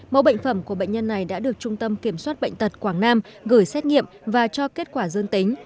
mẫu bệnh phẩm của bệnh nhân này đã được trung tâm kiểm soát bệnh tật quảng nam gửi xét nghiệm và cho kết quả dương tính